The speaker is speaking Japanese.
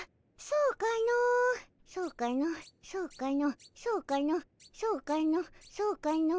そうかのそうかのそうかのそうかのそうかの。